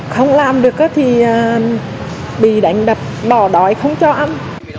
không làm được thì bị đánh đập bỏ đói không cho ăn